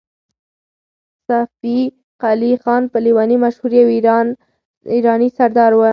صفي قلي خان په لېوني مشهور يو ایراني سردار و.